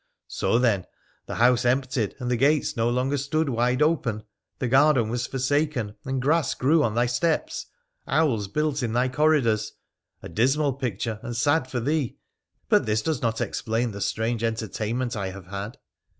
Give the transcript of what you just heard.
So then the house emptied, and the gates no longer stood wide open ; the garden was forsaken, and grass grew on thy steps ; owls built in thy corridors — a dismal picture, and sad for thee, but this does not explain the strange entertainment I haye had.